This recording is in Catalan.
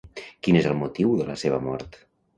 Quin és el motiu de la seva mort?